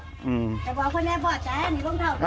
แต่ว่าคนแน่บอกจะให้อันนี้ลงเท่าที่